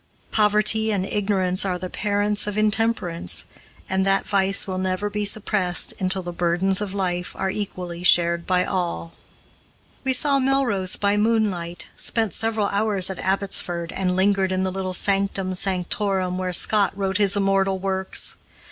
Poverty and ignorance are the parents of intemperance, and that vice will never be suppressed until the burdens of life are equally shared by all. We saw Melrose by moonlight, spent several hours at Abbotsford, and lingered in the little sanctum sanctorum where Scott wrote his immortal works.